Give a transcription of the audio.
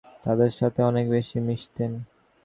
তিনি মানুষকে অনুপ্রাণিত করতেন, তাদের সাথে অনেক বেশি মিশতেন।